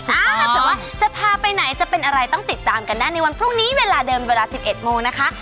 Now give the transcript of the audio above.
ถ้าเกิดว่าจะพาไปไหนจะเป็นอะไรต้องติดตามกันได้ในวันพรุ่งนี้เวลาเดิมเวลา๑๑โมงนะคะ